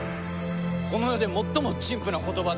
この世で最も陳腐な言葉だ。